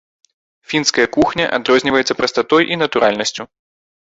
Фінская кухня адрозніваецца прастатой і натуральнасцю.